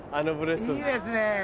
いいですねぇ。